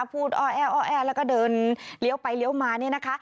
อ้อแอ้อแอแล้วก็เดินเลี้ยวไปเลี้ยวมาเนี่ยนะคะ